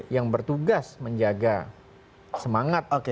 yang bertugas menjaga semangat